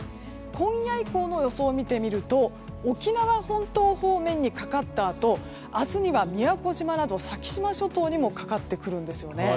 今夜以降の予想を見てみると沖縄本島方面にかかったあと明日には宮古島など先島諸島にもかかってくるんですね。